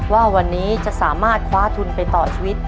ว่าวันนี้จะสามารถคว้าทุนไปต่อชีวิต